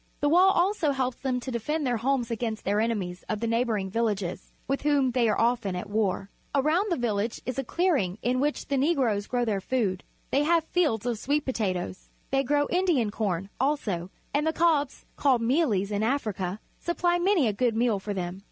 The wall also helps them to defend their homes against their enemies of the neighbouring villages, with whom they are often at war. Around the village a clearing is made in which the Negroes grow their food. They have fields of sweet potatoes. They grow Indian corn, also, and the cobs, called mealies in Africa, supply many a good meal for them.